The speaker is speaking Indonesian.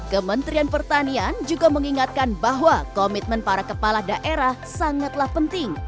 kementerian pertanian juga mengingatkan bahwa komitmen para kepala daerah sangatlah penting